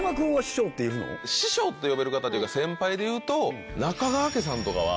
師匠と呼べる方というか先輩でいうと。とかは。